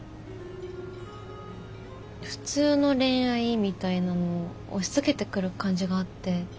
普通の恋愛みたいなのを押しつけてくる感じがあって。